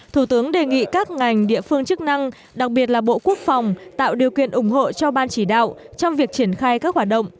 thủ tướng đề nghị các ngành địa phương chức năng đặc biệt là bộ quốc phòng tạo điều kiện ủng hộ cho ban chỉ đạo trong việc triển khai các hoạt động